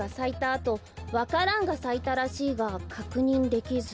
あとわか蘭がさいたらしいがかくにんできず」。